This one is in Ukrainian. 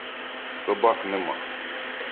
Собак нема.